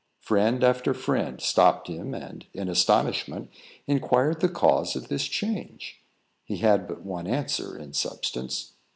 Friend after friend stopped him, and, in astonishment, inquired the cause of this change. He had but one answer, in substance.